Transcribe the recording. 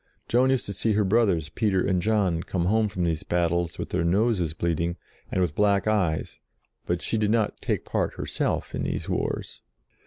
Joan used to see her brothers, Peter and John, come home from these battles with their noses bleeding, and with black eyes, but she did not take part her self in these wars.